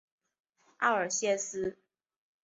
奥尔谢斯。